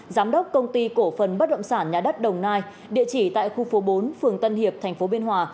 giám đốc công ty cổ phần bất động sản nhà đất đồng nai địa chỉ tại khu phố bốn phường tân hiệp tp biên hòa